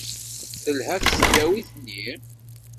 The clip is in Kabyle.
Telha tesdawit-nni?